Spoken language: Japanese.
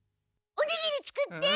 おにぎり作って！